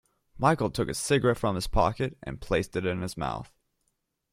Michael took a cigarette from his pocket and placed it in his mouth.